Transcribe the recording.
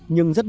nhưng rất đúng